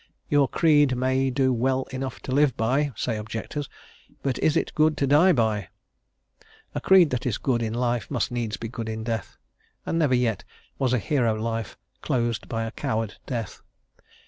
"Your creed may do well enough to live by," say objectors, "but is it good to die by?" A creed that is good in life must needs be good in death, and never yet was a hero life closed by a coward death.